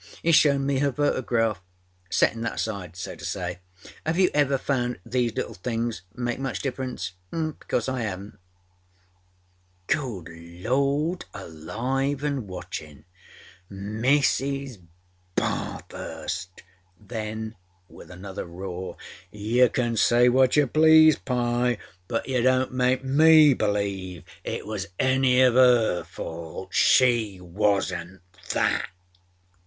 âEâs shown me her photograph. Settinâ that aside, so to say, âave you ever found these little things make much difference? Because I havenât.â âGood Lord Alive anâ Watchinâ!â¦ Mrs. Bathurstâ¦.â Then with another roar: âYou can say what you please, Pye, but you donât make me believe it was any of âer fault. She wasnât _that!